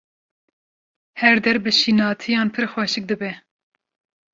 Her der bi şînatiyan pir xweşik dibe.